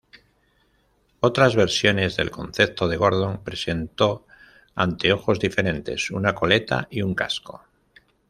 Otras versiones del concepto de Gordon presentó anteojos diferentes, una coleta, y un casco.